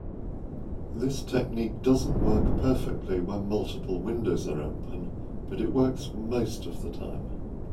This technique doesn't work perfectly when multiple windows are open, but it works most of the time.